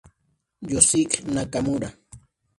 Yoshiki Nakamura